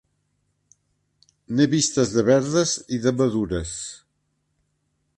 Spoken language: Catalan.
N'he vistes de verdes i de madures.